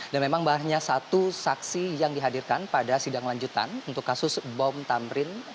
dan memang bahannya satu saksi yang dihadirkan pada sidang lanjutan untuk kasus bom tamrin